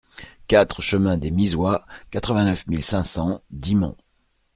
quatre chemin des Misois, quatre-vingt-neuf mille cinq cents Dixmont